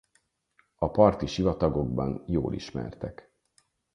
A parti sivatagokban jól ismertek.